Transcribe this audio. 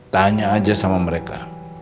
tanya aja sama mereka